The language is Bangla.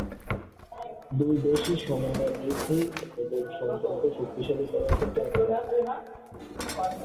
দুই দেশই সমন্বয় বৃদ্ধি এবং সম্পর্ক শক্তিশালী করার ক্ষেত্রে একমত।